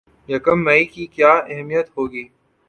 یکم مئی کی کیا اہمیت ہوگی